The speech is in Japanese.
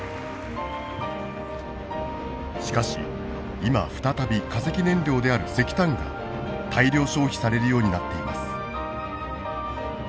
しかし今再び化石燃料である石炭が大量消費されるようになっています。